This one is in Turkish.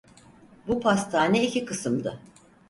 Bu pastane iki kısımdı.